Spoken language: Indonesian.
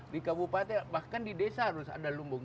di kabupaten bahkan di desa harus ada lumbung